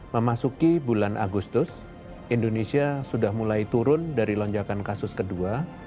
memasuki bulan agustus indonesia sudah mulai turun dari lonjakan kasus kedua